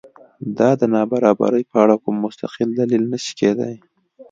دا د نابرابرۍ په اړه کوم مستقل دلیل نه شي کېدای.